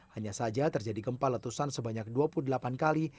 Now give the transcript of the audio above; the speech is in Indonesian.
hanya saja terjadi gempa letusan sebanyak dua puluh delapan kali